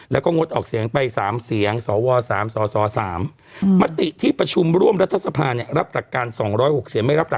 แล้วก็งดออกเสียงไป๓เสียงสว๓สส๓